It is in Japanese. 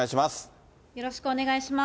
よろしくお願いします。